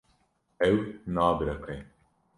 Ew nabiriqe.